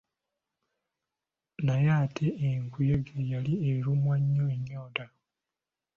Naye ate enkuyege yali erumwa nnyo ennyonta.